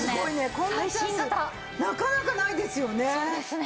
こんなチャンスなかなかないですよね。